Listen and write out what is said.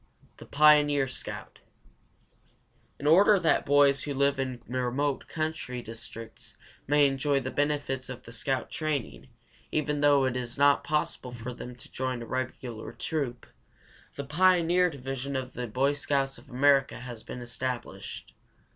THE PIONEER SCOUT. In order that boys who live in remote country districts may enjoy the benefits of the scout training, even though it is not possible for them to join a regular troop, the Pioneer Division of the Boy Scouts of America has been established.